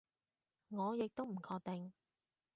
我亦都唔確定